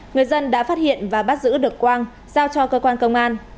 người dân đã phát hiện và bắt giữ được quang giao cho cơ quan công an